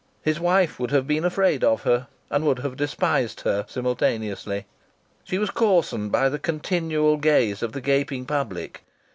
His wife would have been afraid of her and would have despised her, simultaneously. She was coarsened by the continual gaze of the gaping public.